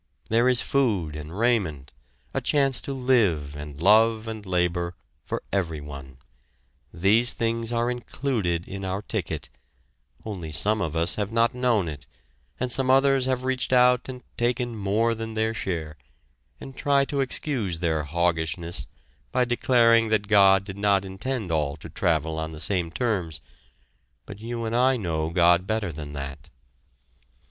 There is food and raiment, a chance to live, and love and labor for everyone; these things are included in our ticket, only some of us have not known it, and some others have reached out and taken more than their share, and try to excuse their "hoggishness" by declaring that God did not intend all to travel on the same terms, but you and I know God better than that.